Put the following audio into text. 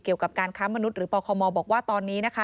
เกี่ยวกับการค้ามนุษย์หรือปคมบอกว่าตอนนี้นะคะ